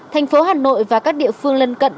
thành phố hà nội và các địa phương lân cận